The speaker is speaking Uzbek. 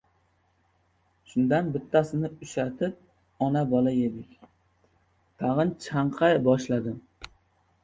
Shundan bittasini ushatib, ona-bola yedik. Tag‘in chanqay boshladim.